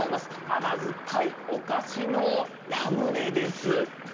甘酸っぱいお菓子のラムネです。